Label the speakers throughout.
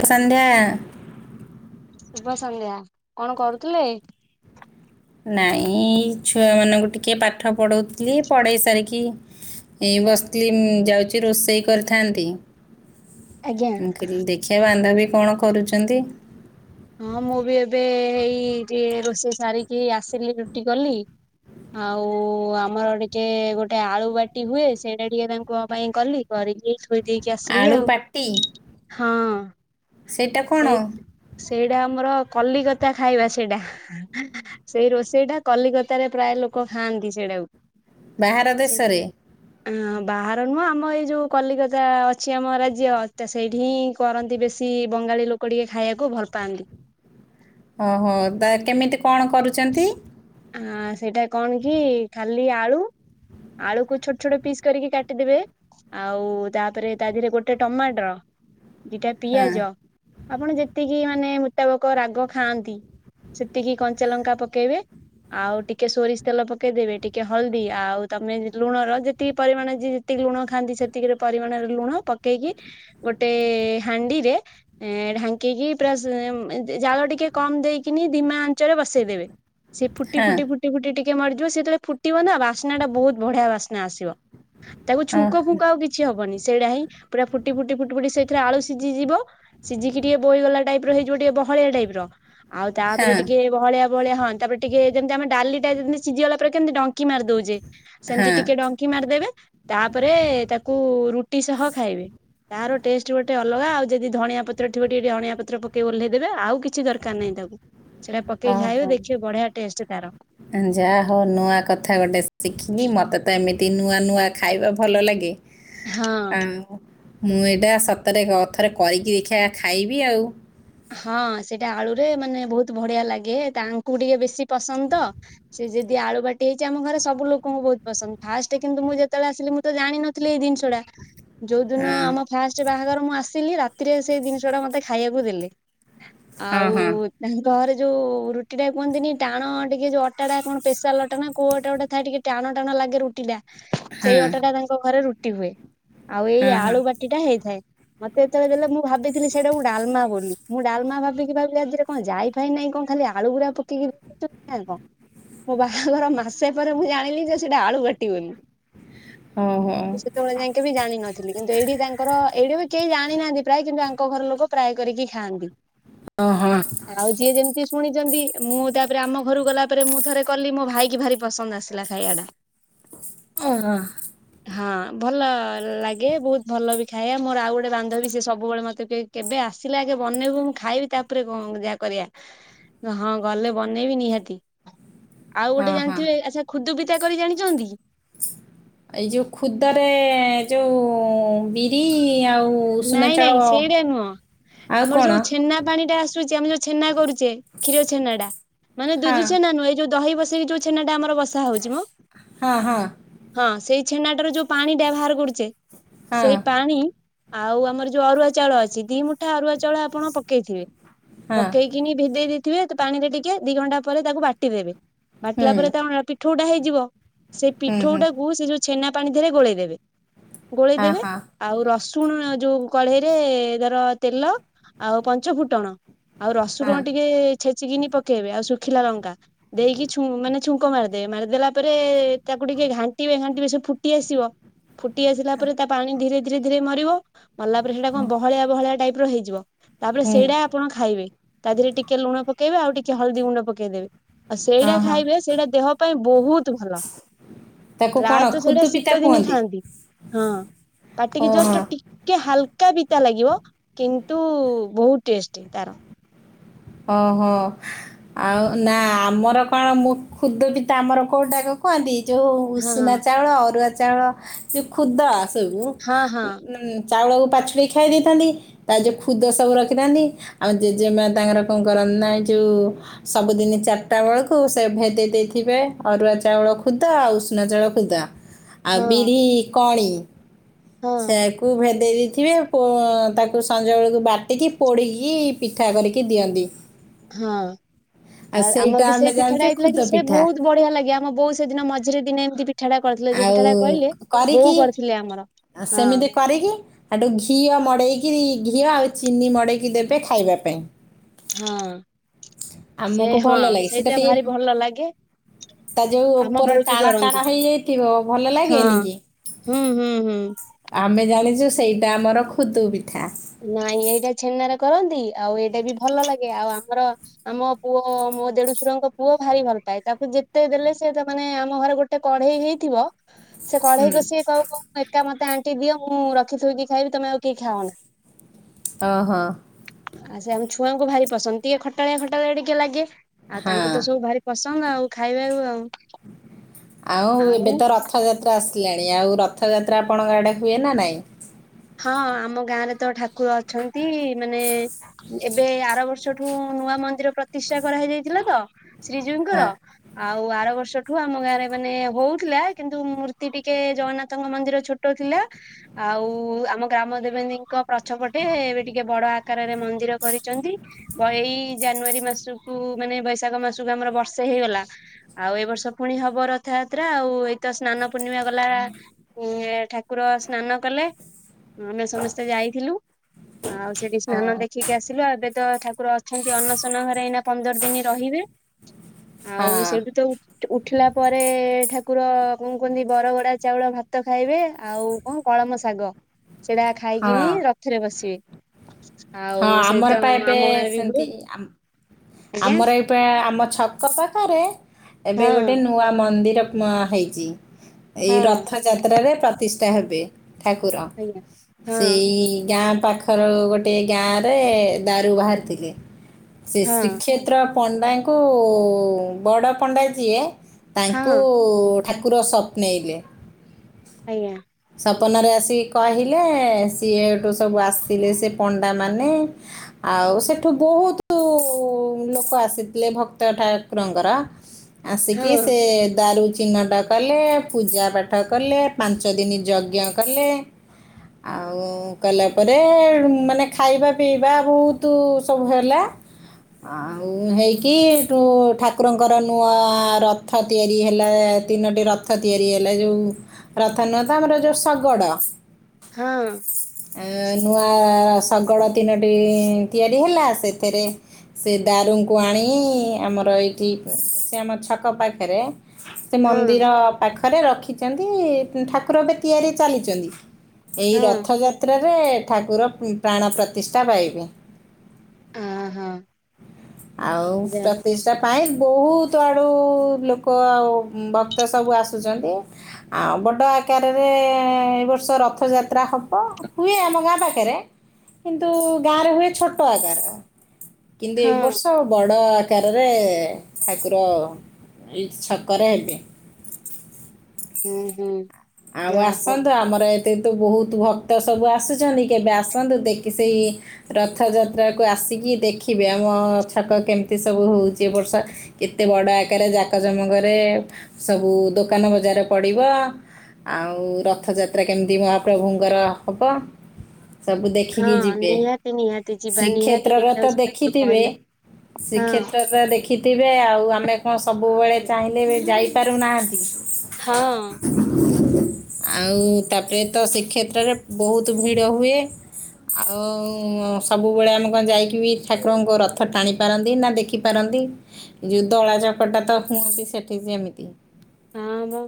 Speaker 1: ଶୁଭ ସନ୍ଧ୍ୟା।
Speaker 2: ଶୁଭ ସନ୍ଧ୍ୟା କଣ କରୁଥିଲେ।
Speaker 1: ନାଇଁ ଛୁଆମାନଙ୍କୁ ଟିକେ ପାଠ ପଢ଼ାଉଥିଲି ପଢ଼େଇ ସାରିକି। ଏଇ ବସିଲି ଯାଉଛି ରୋଷେଇ କରିଥାନ୍ତି।
Speaker 2: ଆଜ୍ଞା।
Speaker 1: ମୁଁ ଦେଖିବା ବାନ୍ଧାବ କଣ କରୁଛନ୍ତି।
Speaker 2: ହଁ ମୁଁ ବି ଏବେ ଏଇ ଟେ ରୋଷେଇ ସାରିକି ଆସିଲି ରୁଟି କଲି। ଆଉ ଆମର ଟିକେ ଗୋଟେ ଆଳୁ ବାଟି ହୁଏ ସେଇଟା ଟିକେ ତାଙ୍କୁ ପାଇଁ କଲି କରିକି। ଥୋଇଦେଇକି ଆସିଲି
Speaker 1: ଆଳୁ
Speaker 2: ଆଉ।
Speaker 1: ପାଟି ସେଇଟା କଣ।
Speaker 2: ସେଇ ସେଇଟା ଆମର କଲିକତା ଖାଇବା ସେଇଟା ସେଇ ରୋଷେଇଟା କଲିକତାରେ ପ୍ରାୟ ଲୋକ ଲୋକ ଖାଆନ୍ତି ସେଇଟାକୁ।
Speaker 1: ବାହାର ଦେଶରେ।
Speaker 2: ଆ ବାହାର ନୁହଁ ଆମ ଏଇ ଯୋଉ କଲିକତା ଅଛି ଆମ ରାଜ୍ୟ ସେଇଠି ହିଁ କରନ୍ତି ବେଶୀ। ସି ବଙ୍ଗାଳୀ ଲୋକ ଟିକେ ଖାଇବାକୁ ଭଲ ପାଆନ୍ତି।
Speaker 1: ଓହୋ କେମିତି କଣ କରୁଛନ୍ତି।
Speaker 2: ଆ ସେଇଟା କଣ କି ଖାଲି ଆଳୁ। ଆଳୁକୁ ଛୋଟ ଛୋଟ ପିସ୍ କରିକି କାଟିଦେବେ। ଆଉ ତାପରେ ତା ଦେହରେ ଗୋଟେ ଟମାଟର ଦିଟା
Speaker 1: ହଁ
Speaker 2: ପିଆଜ। ଆପଣ ଯେତିକି ମାନେ ମୁତାବକ ରାଗ ଖାଆନ୍ତି ସେତିକି କଞ୍ଚାଲଙ୍କା ପକେଇବେ। ଆଉ ଟିକେ ସୋରିଷ ତେଲ ପକେଇଦେବେ ଟିକେ ହଳଦୀ ଆଉ ତମେ ଲୁଣର ଯେତିକି ପରିମାଣ ଯ ଯେତିକି ଲୁଣ ଖାଆନ୍ତି ସେତିକି ପରିମାଣରେ ଲୁଣ ପକେଇକି ଗୋଟେ ହାଣ୍ଡିରେ ଏଁ ଢାଙ୍କିକି ଜାଳ ଟିକେ କମ ଦେଇକିନି ଦିମା ଆଞ୍ଚରେ ବସେଇଦବେ। ସେ ଫୁଟି
Speaker 1: ହଁ
Speaker 2: ଫୁଟି ଫୁଟି ଫୁଟି ଟିକେ। ଟିକେ ମରିଯିବ ସେତେବେଳେ ଫୁଟିବ ନା ବାସ୍ନା ଟା ବହୁତ ବଢିଆ ବାସ୍ନା ଆସିବ। ତାକୁ ଛୁଙ୍କ
Speaker 1: ଓହୋ,
Speaker 2: ଫୁଙ୍କ ଆଉ କିଛି ହବନି। ସେଇଟା ହିଁ ପୁରା ଫୁଟି ଫୁଟି ଫୁଟି ଫୁଟି ସେଇଥିରେ ଆଳୁ ସିଝିଯିବ ସିଝିକି ଟିକେ ବୋହିଗଲା ଟାଇପ ର ହେଇଯିବ ବହଳିଆ ଟାଇପ ର ଆଉ
Speaker 1: ହଁ
Speaker 2: ତାପରେ ଟିକେ ବହଳିଆ ବହଳିଆ ହଁ ତାପରେ। ଟିକେ ଯେମତି ଆମେ ଡାଲିଟା ଯେମତି ସିଝିଗଲା ପରେ କେମତି ଡଙ୍କି ମାରି ଦଉଚେ, ସେମତି
Speaker 1: ହଁ
Speaker 2: ଟିକେ ଡଙ୍କି ମାରଦେବେ ତାପରେ ତାକୁ ରୁଟି ସହ ଖାଇବେ ତାର ଟେଷ୍ଟ ଗୋଟେ ଅଲଗା ଆଉ ଯଦି ଧଣିଆ ପତ୍ର ଠିବ ଟିକେ ଟିକେ ଅଣିଆ ପତ୍ର ପକେଇ ଓହ୍ଲେଇ ଦେବେ, ଆଉ କିଛି ଦରକାର ନାହିଁ ତାକୁ। ସେଇଟା ପକେଇକି ଖାଇବେ ଦେଖିବେ ବଢିଆ ଟେଷ୍ଟ ତାର
Speaker 1: ଯାହାହଉ ନୂଆ କଥା ଗୋଟେ ଶିଖିଲି, ମତେ ତ ଏମିତି ନୂଆ ନୂଆ ଖାଇବା ଭଲ ଲାଗେ।
Speaker 2: ହଁ।
Speaker 1: ଆଉ ମୁଁ ଏଇଟା ସତରେ କ ଅଥରେ କରିକି ଦେଖିବା ଖାଇବି ଆଉ।
Speaker 2: ହଁ ସେଇଟା ଆଳୁରେ ମାନେ ବହୁତ ବଢିଆ ଲାଗେ, ତାଙ୍କୁ ଟିକେ ବେଶୀ ପସନ୍ଦ ତ ଯଦି ଆଳୁ ବାଟି ହେଇଛି ଆମ ଘରେ ସବୁ ଲୋକଙ୍କୁ ବହୁତ ପସନ୍ଦ। ଫାଷ୍ଟ କିନ୍ତୁ ମୁଁ ଯେତେବେଳେ ଆସିଲି ମୁଁ ତ ଜାଣିନଥିଲ ଏଇ ଜିନଷ ଷଟା ନା, ଯୋଉ ଦିନ ଆମ
Speaker 1: ହଁ
Speaker 2: ଫାଷ୍ଟ ବାହାଘର ମୁଁ ଆସିଲି ରାତିରେ ସେଇ ଜିନିଷଟା ମତେ ଖାଇବାକୁ ଦେଲେ। ଆଉ
Speaker 1: ହଁ
Speaker 2: ତାଙ୍କ ଘରେ ଯୋଉ ରୁଟି ଟା କୁହନ୍ତିନି ଟାଣ ଟିକେ ଯୋଉ ଅଟାଟା କଣ ପେଶାଲ ଅଟା ନା କୋଉ ଅଟା ଗୋଟେ ଥାଏ ଟିକେ ଟାଣୁଆ ଟାଣୁଆ ଲା ଲାଗେ ରୁଟିଟା,
Speaker 1: ହଁ
Speaker 2: ସେଇ ଅଟାଟା ତାଙ୍କ ଘରେ ରୁଟି ହୁଏ। ଆଉ ଏଇ
Speaker 1: ହଁ ହଁ ହଁ
Speaker 2: ଆଳୁ ବାଟିଟା ହେଇଥାଏ ମତେ ଯେତେବେଳେ ଦେଲେ ମୁଁ ଭାବିଥିଲି ସେଇଟାକୁ ଡାଲମା ବୋଲି। ମୁଁ ଡାଲମା ଭାବିକି ଭାବିଲି ଆ ଦେହରେ କଣ ଜାଇ ଫାଇ ନାହିଁ, କଣ ଖାଲି ଆଳୁ ଗୁରା ପକେଇକି ଦେଇ ଦେଇଚନ୍ତି ନା କଣ? ମୋ ବାହାଘର ମାସେ ପରେ ମୁଁ ଜାଣିଲି ଯେ ସେଟା ଆଳୁ ବାଟି ବୋଲି।
Speaker 1: ଓହୋ
Speaker 2: ମୁଁ ସେତେବେଳେ ଯାଙ୍କେ ବି ଜାଣିନଥିଲି କିନ୍ତୁ ଏଇଠି ତାଙ୍କର ଏଇଠି ବି କେହି ଜାଣିନାହାଁନ୍ତି ପ୍ରାୟ କିନ୍ତୁ ଆଙ୍କ ଘର ଲୋକ ପ୍ରାୟ କରିକି ଖାଆନ୍ତି।
Speaker 1: ହଁ ହଁ
Speaker 2: ଆଉ ଯିଏ ଯେମତି ଶୁଣିଚନ୍ତି ମୁଁ ତାପରେ ଆମ ଘରୁକୁ ଗଲା ପରେ ମୁଁ ଥରେ କଲି ମୋ ଭାଇ କି ଭାରି ପସନ୍ଦ ଆସିଲା ଖାଇଆଟା।
Speaker 1: ହଁ ହଁ।
Speaker 2: ହଁ ଭଲ ଲାଗେ, ବହୁତ ଭଲ ବି ଖାଇଆ। ମୋର ଆଉ ଗୋଟେ ବାନ୍ଧବୀ ସିଏ ସବୁବେଳେ ମତେ କୁହେ କେବେ ଆସିଲେ ଆଗେ ଟିକେ ବନେଇବୁ ମୁଁ ଖାଇବି, ତାପରେ କଣ ଯାହା କରିଆ। ହଁ ଗଲେ ବନେଇବି ନିହାତି। ଆଉ ଗୋଟେ
Speaker 1: ହଁ ହଁ
Speaker 2: ଜାଣିଥିବେ, ଆଚ୍ଛା ଖୁଦୁ ବିତା କରି ଜାଣିଛନ୍ତି?
Speaker 1: ଏଇ ଯୋଉ ଖୁଦରେ ଯୋଉ ବି ରି ଆଉ ଉଷୁନା
Speaker 2: ନାଇଁ
Speaker 1: ଚାଳ,
Speaker 2: ନାଇଁ ସେଇଟା ନୁହଁ
Speaker 1: ଆଉ
Speaker 2: ଆମର ଯୋଉ
Speaker 1: କଣ?
Speaker 2: ଛେନା [unintelligible] ଆମେ ଯୋଉ ଛେନା କରୁଚେ, କ୍ଷୀର ଛେନାଟା ମାନେ
Speaker 1: ହଁ
Speaker 2: ଦୁଧୁ ଛେନା ନୁହଁ ଏଇ ଯୋଉ ଦହି ବସେଇକି ଯୋଉ ଛେନାଟା ଆମର ବସା ହଉଛି ମ,
Speaker 1: ହଁ ହଁ
Speaker 2: ହଁ ସେଇ ଛେନାଟାର ଯୋଉ ପାଣିଟା ବାହାର କରୁଚେ,
Speaker 1: ହଁ
Speaker 2: ସେଇ ପାଣି ଆଉ ଆମର ଯୋଉ ଅରୁଆ ଚାଉଳ ଅଛି, ଦି ମୁଠା ଅରୁଆ ଚାଉଳ ଆପଣ ପକେଇଥିବେ,
Speaker 1: ହଁ
Speaker 2: ପକେଇକିନି ଭେଦେଇ ଦେଇ ଥିବେ ପାଣିରେ ଟିକେ ଦି ଘଣ୍ଟା ପରେ ତାକୁ ବାଟିଦେବେ,
Speaker 1: ହୁଁ
Speaker 2: ବାଟିଲା ପରେ ତା କଣ ପିଠଉଟା ହେଇଯିବ ସେ
Speaker 1: ହୁଁ ହୁଁ
Speaker 2: ପିଠଉଟାକୁ ସେ ଯୋଉ ଛେନା ପାଣି ଦେହରେ ଗୋଳେଇଦେବେ,
Speaker 1: ହଁ
Speaker 2: ଗୋଳେଇଦେବେ
Speaker 1: ହଁ
Speaker 2: ଆଉ ର ରସୁଣ ଯୋଉ କଢେଇରେ ଧର ତେଲ ଆଉ ପଞ୍ଚୁ ଫୁଟଣ ଆଉ
Speaker 1: ହଁ
Speaker 2: ରସୁରୁଣ ଟିକେ ଛେଚିକିନି ପକେଇବେ, ଆଉ ସବୁ ଶୁଖିଲା ଲଙ୍କା ଦେଇକି ଛୁ ମାନେ ଛୁଙ୍କ ମାରିଦେବେ, ମାରିଦେଲା ପରେ ତାକୁ ଟିକେ ଘାଣ୍ଟିବେ ଘାଣ୍ଟିବେ ସେବ ଫୁଟି ଆସିବ ଫୁଟି ଆସିଲା ପରେ ତା ପାଣି ଧୀରେ ଧୀରେ ଧୀରେ ମରିବ। ମରିଲା ପରେ ସେଇଟା କଣ ବହଳିଆ ବହଳିଆ ଟାଇପର ହେଇଯିବ ତାପରେ
Speaker 1: ହୁଁ
Speaker 2: ସେଇଟା ଆପଣ ଖାଇବେ। ତା ଦେହରେ ଟିକେ ଲୁଣ ପକେଇବେ ଆଉ ଟିକେ ହଳଦୀ ଗୁଣ୍ଡ ପକେଇଦେବେ। ଆଉ
Speaker 1: ହଁ
Speaker 2: ସେଇଟା
Speaker 1: ହଁ
Speaker 2: ଖାଇବେ ସେଇଟା ଦେହ ପାଇଁ ବହୁତ ଭଲ।
Speaker 1: ତାକୁ କ'ଣ
Speaker 2: ପ୍ରାୟତଃ ସେଇଟା
Speaker 1: ଖୁଦୁ ପିତା
Speaker 2: ଶୀତ ଦିନେ
Speaker 1: କୁହନ୍ତି
Speaker 2: ଖାଆନ୍ତି। ହଁ। ତାପ ପାଟିକି
Speaker 1: ଓହୋ
Speaker 2: ଜଷ୍ଟ ଟିକେ ହାଲକା ବି ପିତା ଲାଗିବ କିନ୍ତୁ ବହୁତ ଟେଷ୍ଟେ ତାର।
Speaker 1: ଓହୋ। ଆଉ ନା ଆମର କଣ ମୁଁ ଖୁଦପିତା ଆମର କୋଉଟାକୁ କୁହନ୍ତି ଯୋଉ
Speaker 2: ହଁ
Speaker 1: ଉଷୁନା ଚାଉଳ ଅରୁଆ ଚାଉଳ ଯୋଉ ଖୁଦ ସବୁ
Speaker 2: ହଁ ହଁ
Speaker 1: ଉମ୍ ଚାଉଳକୁ ପାଛୁଡ଼ି ଖାଇ ଦେଇଥାନ୍ତି। ତା ଯୋଉ ଖୁଦ ସବୁ ରଖିଥାନ୍ତି, ଆଉ ଜେଜେମା ତାଙ୍କର କଣ କରନ୍ତି ନା ଏଇ ଯୋଉ, ସବୁଦିନି ଚାରିଟା ବେଳକୁ ସେ ଭେଦେଇ ଦେଇଥିବେ ଅରୁଆ ଚାଉଳ ଳ ଖୁଦ ଆଉ ଉଷୁନା ଚାଉଳ ଖୁଦ ଆଉ
Speaker 2: ହଁ
Speaker 1: ବିରି କଣି
Speaker 2: ହଁ
Speaker 1: ସେୟାକୁ ଭେଦେ ଦେଇ ଦେଇଥିବେ ତାକୁ ସଞ୍ଜ ବେଳକୁ ବାଟିକି ପୋଡିକି ପିଠା କରିକି ଦିଅନ୍ତି।
Speaker 2: ହଁ। ଆଉ
Speaker 1: ସେଇଟା
Speaker 2: ଆମର ବି
Speaker 1: ଆମେ
Speaker 2: ସେଇ
Speaker 1: ଜାଣିଛେ
Speaker 2: ପିଠାଟା ହେଇଥିଲା
Speaker 1: ଖୁଦ
Speaker 2: କି ସେ
Speaker 1: ପିଠା
Speaker 2: ବହୁତ ବଢିଆ ଲାଗେ ଆମ ବୋଉ ସେଦିନ ମଝିରେ ଦିନ ଏମିତି ଛାଡା କରିଥିଲେ ଯୋଉ ଡା କହେ ବୋଉ
Speaker 1: କରିକି
Speaker 2: କରିଥିଲେ ଆମର
Speaker 1: ଆଉ
Speaker 2: ହଁ
Speaker 1: ସେମିତି କରିକି ଆଠୁ ଘିଅ ମଡେଇକି କିରି ଘିଅ ଆଉ ଚିନି ମଡେଇକି ଦେବେ ଖାଇବା ପାଇଁ
Speaker 2: ହଁ ସେ
Speaker 1: ଆମକୁ
Speaker 2: ହଁ
Speaker 1: ଭଲ ଲାଗେ ସେଟା
Speaker 2: ସେଇଥିପ ଭାରି
Speaker 1: ଟିକେ
Speaker 2: ଭଲ ଲାଗେ।
Speaker 1: ତା ଯୋଉ
Speaker 2: ଆମ
Speaker 1: ଉପର
Speaker 2: ବୋଉ ବି
Speaker 1: ଟାଣ
Speaker 2: କରନ୍ତି
Speaker 1: ଟାଣ ହେଇଯାଇଥିବ ଭଲ
Speaker 2: ହଁ
Speaker 1: ଲାଗେନି କି?
Speaker 2: ହୁଁ ହୁଁ ହୁଁ।
Speaker 1: ଆମେ ଜାଣିଛୁ ସେଇଟା ଆମର ଖୁଦୁ ପିଠା
Speaker 2: ନାଇଁ ଏଇଟା ଛେନାରେ କରନ୍ତି ଆଉ ଏଇଟା ବି ଭଲ ଲାଗେ ଆଉ ଆମର ଆମ ପୁଅ--, ମୋ ଦେଢୁସରଙ୍କ ପୁଅ ଭାରି ଭଲ ପାଏ ତାକୁ ଯେତେ ଦେଲେ ସେ ତା ମାନେ ଆମ ଘରେ ଗୋଟେ କଢ଼େଇ ହେଇଥିବ। ସେ କଢେଇ
Speaker 1: ହୁଁ
Speaker 2: କଷ କହୁ କ ଏକା ମତେ ଆଣ୍ଟି ଦିଅ ମୁଁ ରଖିଥକି ଖାଇବି ତମେ ଆଉ କେ କିହି ଖାଅ ନା?
Speaker 1: ଆ ହଁ।
Speaker 2: ଆଉ ସେ ଆମ ଛୁଆଙ୍କୁ ଭାରି ପସନ୍ଦ ଟିକେ ଖଟାଳିଆ ଖଟାଳିଆ ଟିକେ ଲାଗେ ଆଉ
Speaker 1: ହଁ
Speaker 2: ତାଙ୍କୁ ତ ସବୁ ଭାରି ପସ୍ ତଙ୍ଗ ଆଉ ଖାଇବାକୁ ଆଉ।
Speaker 1: ଆଉ ଏବେ ତ ରଥଯାତ୍ରା ଆସ୍ ତିଆଳିଆ, ଆଉ ରଥଯାତ୍ରା ଆପଣଙ୍କ ଆଡ଼େ ହୁଏ ନା ନାଇଁ?
Speaker 2: ହଁ ଆମ ଗାଁରେ ତ ଠାକୁର ଅଛନ୍ତି ମାନେ ଏବେ ଆର ବର୍ଷ ଠୁ ନୂଆ ମନ୍ଦିର ପ୍ରତିଷ୍ଠା କରାହେଇଯାଇଥିଲା ତ ଶ୍ରୀଜୀଉଙ୍କର
Speaker 1: ହଁ
Speaker 2: ଆଉ ଆର ବର୍ଷଠୁ ଆମ ଗାଁ ରେ ମାନେ ହଉଥିଲା କିନ୍ତୁ ମୂର୍ତ୍ତି ଟିକେ ଜଗନ୍ନାଥଙ୍କ ମନ୍ଦିର ଛୋଟ ଥିଲା ଆଉ। ଆମ ଗ୍ରାମ ଦେବୀଙ୍କ ପଛ ପଟେ ଏବେ ଟିକେ ବଡ଼ ଆକାରରେ ମନ୍ଦିର କରିଛନ୍ତି ବଇଳି ଇ ଜାନୁଆରୀ ମାସକୁ ମାନେ ବୈଶାଖ ମାସକୁ ଆମର ବର୍ଷେ ହେଇଗଲା ଆଉ ଏ ବର୍ଷ ପୁଣି ହବ ରଥ ଧାତ୍ରା ଆଉ ଏଇତ ସ୍ନାନ ପୂର୍ଣ୍ଣିମା ଗଲା ଉ ଠାକୁର ସ୍ନାନ କଲେ। ଆମେ ସମସ୍ତେ ଯାଇଥିଲୁ ଆଉ ସେଠି ସ୍ନାନ ଦେଖିକି ଆସିଲୁ ଏବେ ତ ଠାକ୍ କୁକୁର ଅଛନ୍ତି ଅନନ୍ନଶନ ଘରେ ଏଇନା ପନ୍ଦର ଦିନ ରହିବେ
Speaker 1: ହଁ
Speaker 2: ଆଉ ସେଇଠୁ ତଉ ଉଠିଲା ପରେ ଠାକୁର କ କହନ୍ତି ବରଗଡ଼ା ଚାଉଳ ଭାତ ଖାଇବେ ଆଉ କ କଣ୍ କଳମ ଶାଗ ସେଟା
Speaker 1: ହଁ
Speaker 2: ଖାଇକିନି
Speaker 1: ହଁ
Speaker 2: ରଥରେ ବସିବେ ଆଉ
Speaker 1: ହଁ
Speaker 2: ସେଇତ
Speaker 1: ଆମର ପା ଏବେ
Speaker 2: ଆମ ଗାଁରେ ବି ହୁଏ
Speaker 1: ସେମତି ଆମ୍
Speaker 2: ଆଜ୍ଞା
Speaker 1: ଆମର ଏଇପା ଆମ ଛକ ପାଖରେ ଏବେ ଗୋଟେ
Speaker 2: ହଁ
Speaker 1: ନୂଆ ମନ୍ଦିର ମୁଆ ହେଇଛି ଏଇ
Speaker 2: ହଁ
Speaker 1: ରଥ ଯାତ୍ରାରେ ପ୍ରତିଷ୍ଠା ହେବେ। ଠାକୁର
Speaker 2: ଆଜ୍ଞା। ହଁ
Speaker 1: ସେଇ ଗାଁ ପାଖର ଗୋଟ୍ ଟେ ଗାଁ ରେ ଦାରୁ ବାହାରିଥିଲେ ସେ
Speaker 2: ହଁ
Speaker 1: ଶ୍ରୀକ୍ଷେତ୍ର ପଣ୍ଡାଙ୍କୁ ବଡ଼ ପଣ୍ଡା ଯିଏ ତାଙ୍କୁ
Speaker 2: ହଁ
Speaker 1: ଠାକୁର ସ୍ୱପ୍ନେଇଲେ।
Speaker 2: ଆଜ୍ଞା।
Speaker 1: ତପନରେ ଆସିକି କହିଲେ ସିଏ ଏଠୁ ସବୁ ଆସିଥିଲେ ସେ ପଣ୍ଡା ମାନେ ଆଉ ସେଠୁ ବହୁତୁ ଲୋକ ଆସିଥିଲେ ଭକ୍ତ ଠାକୁରଙ୍କର ଆସିକି
Speaker 2: ହଁ
Speaker 1: ସେ ଦାରୁ ଚିହ୍ନଟ କଲେ, ପୂଜା ପାଠ କଲେ, ପାଞ୍ଚ ଦିନ ଯଜ୍ଞ କଲେ। ଆଉ କଲା ପରେଳୁ ମାନେ ଖାଇବା ପିଇବା ବହୁତୁ ସବୁ ହେଲା। ଆଉ ହେଇକି ଏଠୁ ଠାକୁରଙ୍କର ନୂଆ ରଥ ତିଆରି ହେଲା ତିନୋଟି ରଥ ତିଆରି ହେଲା ଯୋଉ ରଥ ନୁହଁ ତ ଆମର ଯୋଉ ଶଗଡ଼
Speaker 2: ହଁ
Speaker 1: ଏ ନୁଆ, ଶଗଡ଼ ତିନୋଟି ତିଆରି ହେଲା ସେଥିରେ ସେ ଦାରୁଙ୍କୁ ଆଣି ଆମର ଏଇଠି ସେ ଆମ ଛକ ପାଖରେ ସେ
Speaker 2: ହଁ
Speaker 1: ମନ୍ଦିର ପାଖ ପାଖରେ ରଖିଛନ୍ତି ଠାକୁର ଏବେ ତିଆରି ଚାଲିଛନ୍ତି ଏଇ
Speaker 2: ହଁ।
Speaker 1: ରଥଯାତ୍ରା ବେ ଠାକୁର ପ୍ରାଣ ପ୍ରତିଷ୍ଠା ପାଇବେ
Speaker 2: ଅ ହଁ
Speaker 1: ଆଉ
Speaker 2: ଯା
Speaker 1: ପ୍ରତିଶ ଟା ପାଇଁ ବହୁତ ଆଡୁ ଲୋକ ଆଉ ଭକ୍ତ ସବୁ ଆସୁଛନ୍ତି ଆଉ ବଡ଼ ଏକାରରେ ଏ ବର୍ଷ ରଥ ଯାତ୍ରା ହବ ହୁଏ ଆମ ଗାଁ ପାଖରେ କିନ୍ତୁ ଗାଁରେ ହୁଏ ଛୋଟ ଆକାରର ଆକାର କିନ୍ତୁ ଏ
Speaker 2: ହଁ
Speaker 1: ବର୍ଷ ବଡ଼ କାଳରେ ଠାକୁର ଇ ଛକରେ ଆଗେ
Speaker 2: ହୁଁ ହୁଁ।
Speaker 1: ଆଉ
Speaker 2: ଯାହା ହଉ।
Speaker 1: ଆସନ୍ତୁ ଆମର ଏ ଏତେ ତ ବହୁତ ଭକ୍ତ ସବୁ ଆସୁଛନ୍ତି କେବେ ଆସନ୍ତୁ ଦେଖି ସେଇ ରଥଯାତ୍ରାକୁ ଆସ ଆସିକି ଦେଖିବେ ଆମ ଛକ କେମିତି ସବୁ ହଉଛି, ବର୍ଷ କେତେ ବଡ଼ ଆକାରରେ ଯାକ ଜମା କରେ ସବୁ ଦୋକାନ ବଜ଼ାର ପଡିବ। ଆଉ ରଥଯାତ୍ରା କେମିତି ମହାପ୍ରଭୁଙ୍କର ହେବ? ସବୁ
Speaker 2: ହଁ
Speaker 1: ଦେଖିକି ଯିବେ
Speaker 2: ନିହାତି ନିହାତି ଯିବା ନିହାତି
Speaker 1: ଶ୍ରୀକ୍ଷେତ୍ରରେ ତ
Speaker 2: ଦେଖିବାକୁ ଯିବା ଆପଣ
Speaker 1: ଦେଖିଥିବେ
Speaker 2: କହିଲେ ହଁ।
Speaker 1: ଶ୍ରୀକ୍ଷେତ୍ରରେ ଦେଖିଥିବେ ଆଉ ଆମେ କଣ ସବୁବେଳେ ଚାହିଁଲେ ଯାଇପାରୁନାହାନ୍ତି।
Speaker 2: ହଁ।
Speaker 1: ଆଉ ତାପରେ ତ ଶ୍ରୀକ୍ଷେତ୍ର ରେ ବହୁତ ଭିଡ ହୁଏ। ଆଉ ସବୁବେଳେ ଆମେ କଣ ଯାଇକି ବି ଠାକୁରଙ୍କ ରଥ ଟାଣି ପାରନ୍ତି ନା ଦେଖିପାରନ୍ତି? ଯୋଉ ଦଳା ଚକଟା ତ ହୁଅନ୍ତି ସେଠି ଯେମିତି
Speaker 2: ହଁ ମ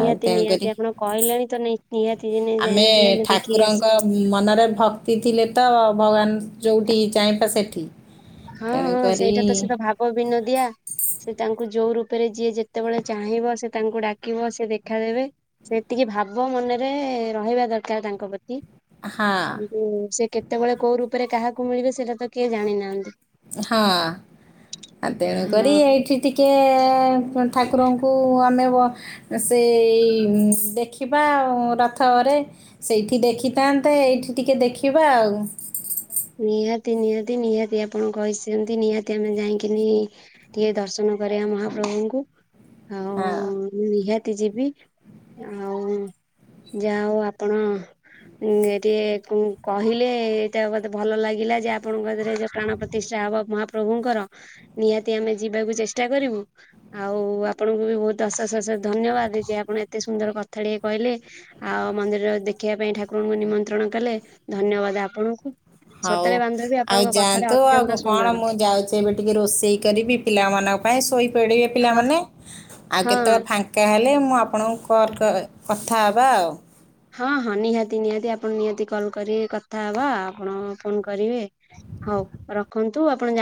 Speaker 1: ଆଉ ତେଣୁ
Speaker 2: ନିହାତି
Speaker 1: କରି
Speaker 2: ଆପଣ କହିଲେଣି ତ ନି ନିହାତି ଦିନେ
Speaker 1: ଆମେ
Speaker 2: ଯାଇକି ଦେଖିକି
Speaker 1: ଠାକୁରଙ୍କ
Speaker 2: ଆସିବୁ।
Speaker 1: ମନରେ ଭକ୍ତି ଥିଲେ ତ ଭଗବାନ ଯୋଉଠି ଚାହିଁବା ସେଠି
Speaker 2: ହଁ ହଁ
Speaker 1: ତେଣୁକରି
Speaker 2: ସେଇଟା ତ ସେ ତ ଭାବ ବିନଦିଆ ସେ ତାଙ୍କୁ ଜୋଉରୁ ରେ ଯିଏ ଯେତେବେଳେ ଚାହିଁବ ସେ ତାଙ୍କୁ ଡାକିବ ସେ ଦେଖା ଦେବେ ସେତିକି ଭାବ ମନରେ ରହିବା ଦରକାର ତାଙ୍କ ପ୍ରତି
Speaker 1: ହଁ
Speaker 2: କିନ୍ତୁ ସେ କେତେବେଳେ କୋଉ ରୂପରେ କାହାକୁ ମିଳିବେ ସେଇଟା ତ କିଏ ଜାଣି ନାହାନ୍ତି
Speaker 1: ହଁ ଆ ତେଣୁକରି
Speaker 2: ହଁ
Speaker 1: ଏଇଠି ଟିକେ ଠାକୁରଙ୍କୁ ଆମେ ସେ ଉ ଦେଖିବା ଆଉ ରଥରେ ସେଇଠି ଦେଖିଥାନ୍ତେ ଏଇଠି ଟିକେ ଦେଖିବା ଆଉ। ହଁ।
Speaker 2: ନିହାତି ନିହାତି ନିହାତି ଆପଣ କହିଛନ୍ତି ନିହାତି ଆମେ ଯାଇକିନି ଟିକେ ଦର୍ଶନ କରିବା ମହାପ୍ରଭୁଙ୍କୁ
Speaker 1: ହଁ।
Speaker 2: ଆଉ ନିହାତି ଯିବି ଆଉ। ଯା ହଉ ଆପଣ ଏ ଟିକେ କହିଲେ ଏଇଟା ମତେ ଭଲ ଲାଗିଲା ଯେ ଆପଣଙ୍କରେ ଯୋଉ ପ୍ରାଣ ପ୍ରତିଷ୍ଠା ହବ ମହାପ୍ରଭୁଙ୍କର ନିହାତି ଆମେ ଯିବାକୁ ଚେଷ୍ଟା କରିବୁ ଆଉ ଆପଣଙ୍କୁ ବି ବହୁତ ଅଶେଷ ଅଶେଷ ଧନ୍ୟବାଦ ଯେ ଆପଣ ଏତେ ସୁନ୍ଦର କଥା ଟ କହିଲେ ଆଉ ମନ୍ଦିର ଦେଖିବା ପାଇଁ ଠାକୁରଙ୍କୁ ନିମନ୍ତ୍ରଣ ଦେଲେ ଧନ୍ୟବାଦ ଆପଣଙ୍କୁ
Speaker 1: ହଉ
Speaker 2: ସତରେ ବାନ୍ଧବୀ
Speaker 1: ଆଉ
Speaker 2: ଆପଣଙ୍କ କଥାଟା
Speaker 1: ଯାଆନ୍ତୁ
Speaker 2: ଅତ୍ୟନ୍ତ
Speaker 1: ଆଉ କଣ
Speaker 2: ସୁନ୍ଦର
Speaker 1: ମୁଁ ଯାଉଛି ଏବେ ଟିକେ ରୋଷେଇ କରିବି ପିଲାମାନଙ୍କ ତା ପାଇଁ ଶୋଇ ପଡିବେ
Speaker 2: ହଁ
Speaker 1: ପିଲାମାନେ ଆଉ
Speaker 2: ହଁ।
Speaker 1: କେତେବେଳେ ଫାଙ୍କା ହେଲେ ମୁଁ ଆପଣଙ୍କୁ କଲ୍ କଥା ହେବା ଆଉ।
Speaker 2: ହଁ ହଁ ନିହାତି ନିହାତି ଆପଣ ନିହାତି କଲ କରି କଥା ହବା ଆପଣ ଫୋନ କରିବେ ହଉ ରଖନ୍ତୁ ଆପଣ ଜା